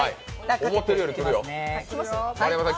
思ってるより来るよ、丸山さん